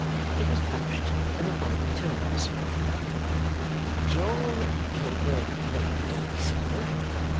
It was couched in the following terms: 'John Edward Nandy. Sir.